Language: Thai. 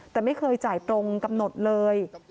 แต่ไม่เคยจ่ายตรงกำหนดเลย